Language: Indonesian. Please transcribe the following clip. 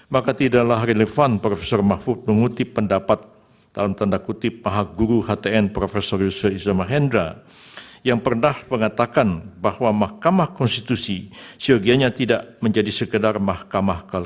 maka tidaklah relevan prof mahfud mengutip pendapat maha guru htn prof yusuf ismail hendra yang pernah mengatakan bahwa mahkamah konstitusi seharganya tidak menjadi sekedar mahkamah kalkulator